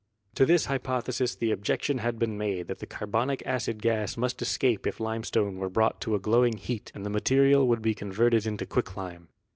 To this hypothesis the objection had been made that the carbonic acid gas must escape if limestone were brought to a glowing heat and the material would be con verted into quicklime.